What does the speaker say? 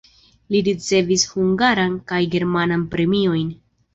Li ricevis hungaran kaj germanan premiojn.